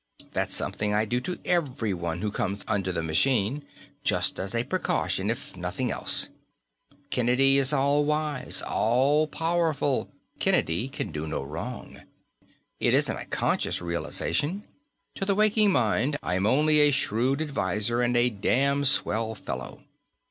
That's something I do to everyone who comes under the machine, just as a precaution if nothing else, Kennedy is all wise, all powerful; Kennedy can do no wrong. It isn't a conscious realization; to the waking mind, I am only a shrewd adviser and a damn swell fellow.